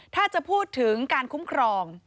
ถ้าจะพูดถึงการคุ้มครอง